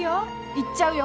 行っちゃうよ。